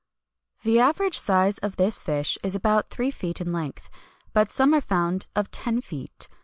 [XXI 157] The average size of this fish is about three feet in length; but some are found of ten feet.